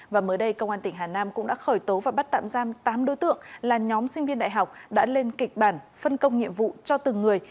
và mới đây công an tỉnh hà nam cũng đã khởi tố và bắt tạm giam tám đối tượng là nhóm sinh viên đại học đã lên kịch bản phân công nhiệm vụ cho từng người